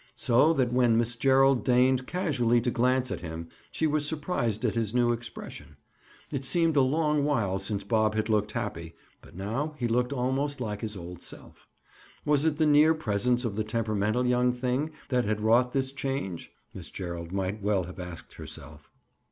So that when Miss Gerald deigned casually to glance at him, she was surprised at his new expression. It seemed a long while since Bob had looked happy, but now he looked almost like his old self. Was it the near presence of the temperamental young thing that had wrought this change, Miss Gerald might well have asked herself.